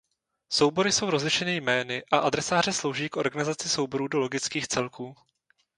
Soubory jsou rozlišeny jmény a adresáře slouží k organizaci souborů do logických celků.